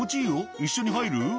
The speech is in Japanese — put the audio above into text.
一緒に入る？